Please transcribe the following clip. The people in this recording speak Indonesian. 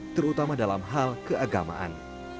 terutama dalam hal keagamaan